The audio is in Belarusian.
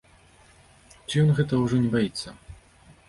Ці ён гэтага ўжо не баіцца?